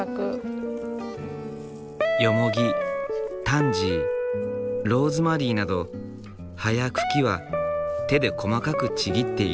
よもぎタンジーローズマリーなど葉や茎は手で細かくちぎって入れる。